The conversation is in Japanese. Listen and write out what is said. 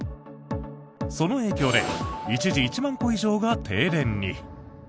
その影響で一時、１万戸以上が停電に。